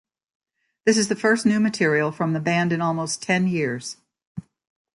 This is the first new material from the band in almost ten years.